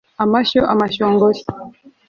Amashyo amashongori